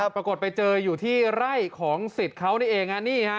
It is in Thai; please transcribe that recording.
ปรากฏไปเจออยู่ที่ไร่ของสิทธิ์เขานี่เอง